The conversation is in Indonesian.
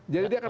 jadi dia akan